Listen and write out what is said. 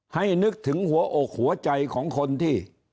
นึกถึงหัวอกหัวใจของคนที่